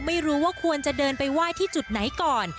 ไม่รู้ว่าควรจะเดินไปไหว้ที่จุดไหนก่อน